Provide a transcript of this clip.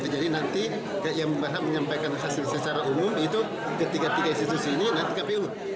jadi nanti yang bahkan menyampaikan hasil secara umum itu ketiga tiga institusi ini nanti kpu